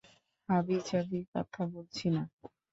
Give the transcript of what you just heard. হাবিজাবি কথা বলছি না।